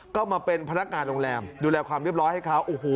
ก็มาเป็นพนักงานโรงแรมดูแลความเรียบร้อยให้เขาโอ้โห